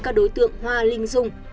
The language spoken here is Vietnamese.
các đối tượng hoa linh dung